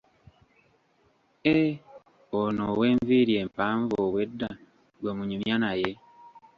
Eh, ono ow'enviiri empanvu obwedda gwe munyumya naye.